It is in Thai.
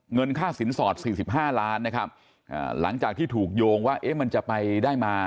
เงินค่าสินสอด๔๕ล้านนะครับหลังจากที่ถูกโยงว่าเอ๊ะมันจะไปได้มา